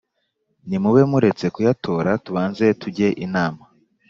nimube muretse kuyatora tubanze tujye inama.